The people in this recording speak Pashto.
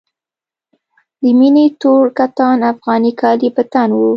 د مينې تور کتان افغاني کالي په تن وو.